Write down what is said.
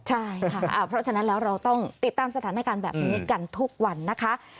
ใช่ค่ะเพราะฉะนั้นแล้วเราต้องติดตามสถานการณ์แบบนี้กันทุกวันนะคะ